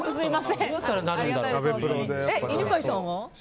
犬飼さんは？